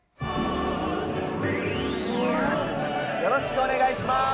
よろしくお願いします。